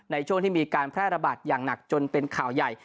ในช่วงที่มีการแพร่ระบาดอย่างหนักจนเป็นข่าวใหญ่